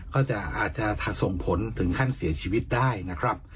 อาจจะอาจจะส่งผลถึงขั้นเสียชีวิตได้นะครับ